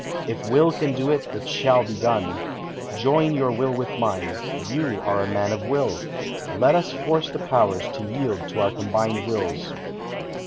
If will can do it, it shall be done. Join your will with mine. You are a man of will. Let us force the powers to yield to our combined wills."